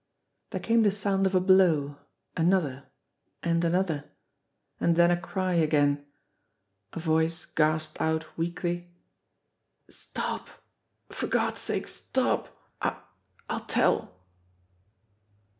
There came the sound of a blow, another, and another and then a cry again. A voice gasped out weakly : "Stop! For God's sake, stop! I I'll tell."